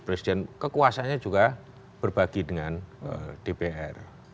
presiden kekuasanya juga berbagi dengan dpr